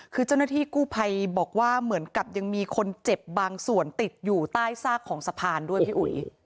คือเจ้าหน้าที่กู้ภัยบอกว่าเหมือนกับยังมีคนเจ็บบางส่วนติดอยู่ใต้ซากของสะพานด้วยพี่อุ๋ย